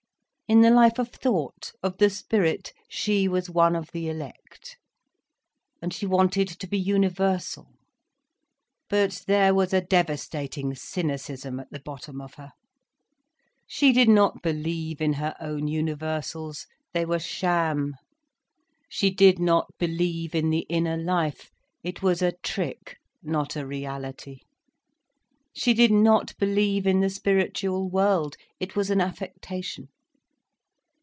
In the life of thought, of the spirit, she was one of the elect. And she wanted to be universal. But there was a devastating cynicism at the bottom of her. She did not believe in her own universals—they were sham. She did not believe in the inner life—it was a trick, not a reality. She did not believe in the spiritual world—it was an affectation.